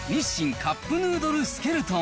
カップヌードルスケルトン？